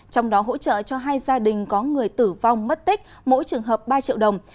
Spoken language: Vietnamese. trong đó hỗ trợ cho hai gia đình có người tử vong mất tích mỗi trường hợp ba triệu đồng